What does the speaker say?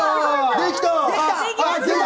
できた！